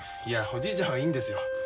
いやおじいちゃんはいいんですよ。